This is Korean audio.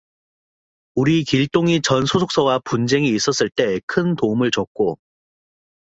우리 길동이 전 소속사와 분쟁이 있었을 때 큰 도움을 줬고.